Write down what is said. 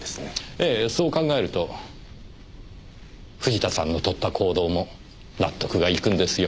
ええそう考えると藤田さんの取った行動も納得がいくんですよ。